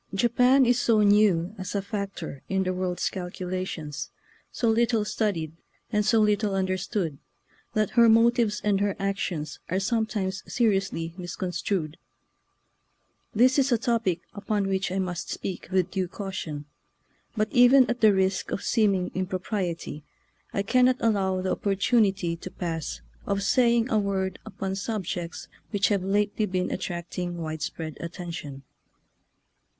Japan is so new as a factor in the world's calculations, so little studied, and so little understood, that her motives and her actions are sometimes seriously mis construed. This is a topic upon which I must speak with due caution, but even at the risk of seeming impropriety I cannot allow the opportunity to pass of saying a word upon subjects which have lately been attracting widespread attention.